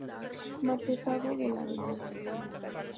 Marquesado del Arenal